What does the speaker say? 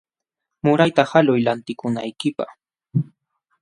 Murayta haluy lantikunaykipaq.